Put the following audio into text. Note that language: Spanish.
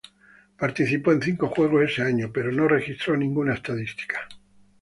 Participó en cinco juegos ese año pero no registró ninguna estadística.